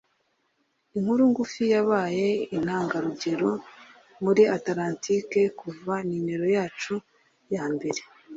Inkuru ngufi yabaye intangarugero muri Atlantike kuva nimero yacu ya mbere